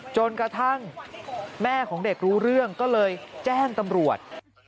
จนกระทั่งแม่ของเด็กรู้เรื่องก็เลยแจ้งตำรวจ